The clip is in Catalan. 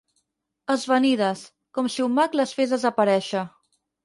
Esvanides, com si un mag les fes desaparèixer.